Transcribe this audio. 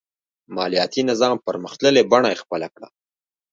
مالیاتي نظام پرمختللې بڼه خپله کړه.